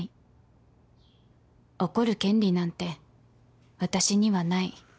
怒る権利なんて私にはない